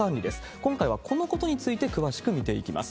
今回はこのことについて詳しく見ていきます。